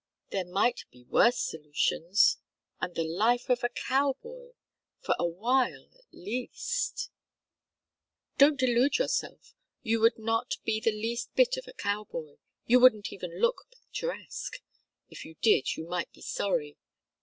There might be worse solutions. And the life of a cow boy, for a while at least " "Don't delude yourself. You would not be the least bit of a cow boy. You wouldn't even look picturesque if you did you might be sorry.